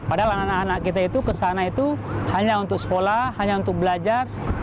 padahal anak anak kita itu kesana itu hanya untuk sekolah hanya untuk belajar